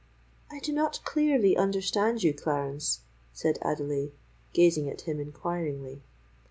"I do not clearly understand you, Clarence," said Adelais, gazing at him enquiringly.